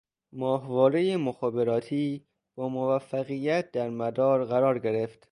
ماهوارهٔ مخابراتی با موفقیت در مدار قرار گرفت